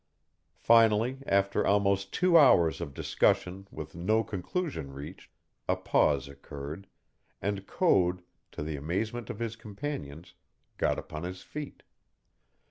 Finally, after almost two hours of discussion with no conclusion reached, a pause occurred, and Code, to the amazement of his companions, got upon his feet.